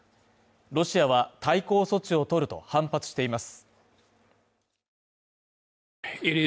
ロシアは対抗措置を取ると反発しています。